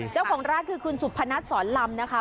เจ้าของร้านคือคุณสุพนัทสอนลำนะคะ